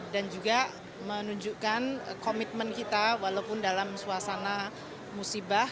dan juga menunjukkan komitmen kita walaupun dalam suasana musibah